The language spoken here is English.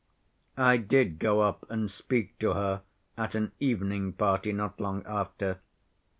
I did go up and speak to her at an evening party not long after.